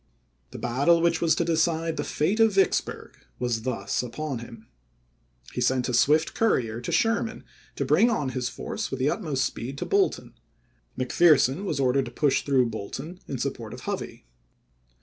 The battle which was to decide the fate of Vicksburg was thus upon him. He sent a swift courier to Sherman to bring on his force with the utmost speed to Bolton ; McPherson was ordered to push through Bolton in support of Hovey.